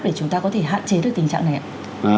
để chúng ta có thể hạn chế được tình trạng này ạ